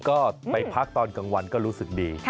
ก็ไปพักตอนกลางวันก็รู้สึกดี